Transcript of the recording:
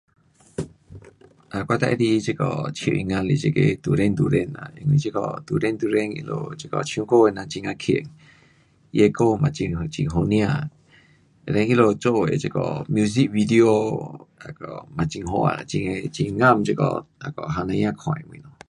啊我最喜欢这个唱音乐是这个 duran duran 啦，因为这个 duran duran 他们这个唱歌的人很呀棒。他的歌嘛很，很好听。and then 他们做的这个 music video 那个也很好啊，很，很合这个年轻儿看的东西。